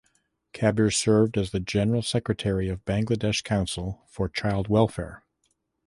Kabir served as the general secretary of Bangladesh Council for Child Welfare.